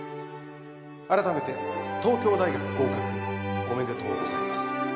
改めて東京大学合格おめでとうございます